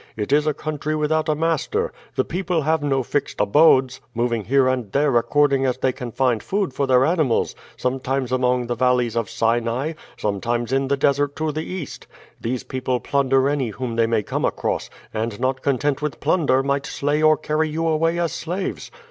It is a country without a master; the people have no fixed abodes, moving here and there according as they can find food for their animals, sometimes among the valleys of Sinai, sometimes in the desert to the east. These people plunder any whom they may come across, and not content with plunder might slay or carry you away as slaves.